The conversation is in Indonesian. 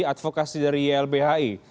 advokasi dari ylbhi